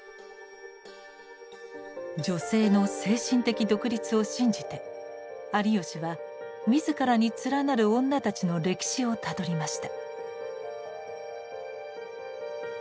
女性の精神的独立を信じて有吉は自らに連なる女たちの歴史をたどりました。